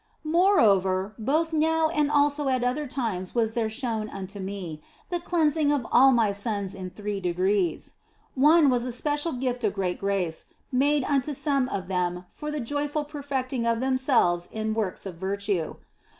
Moreover, both now and also at other times was there shown unto me the cleansing of all my sons in three degrees. One was a special gift of great grace made unto some of them for the joyful perfecting of themselves in works of virtue.